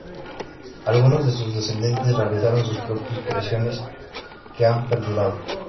Algunos de sus descendientes realizaron sus propios creaciones, que han perdurado.